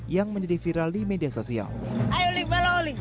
yang menjadi viral di media sosial